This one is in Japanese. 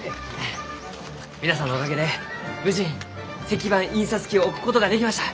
皆さんのおかげで無事石版印刷機を置くことができました！